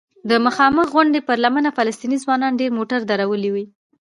د مخامخ غونډۍ پر لمنه فلسطینی ځوانانو ډېر موټر درولي وو.